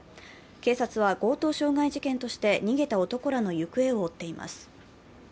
警察は強盗傷害事件として逃げた男らの行方を追っています。